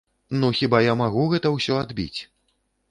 Ну хіба я магу гэта ўсё адбіць?